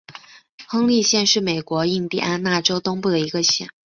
亨利县是美国印地安纳州东部的一个县。